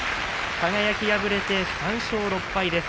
輝、敗れて３勝６敗です。